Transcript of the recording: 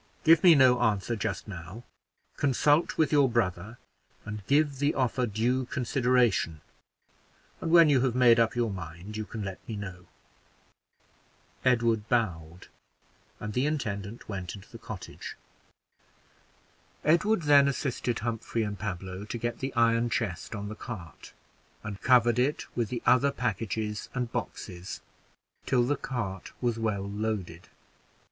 Give me no answer just now; consult with your brother, and give the offer due consideration, and when you have made up your mind you can let me know." Edward bowed, and the intendant went into the cottage. Edward then assisted Humphrey and Pablo to get the iron chest on the cart, and covered it with the other packages and boxes, till the cart was well loaded.